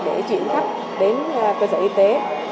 để chuyển khách đến cơ sở y tế